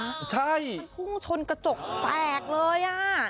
มันพุ่งชนกระจกแปลกเลย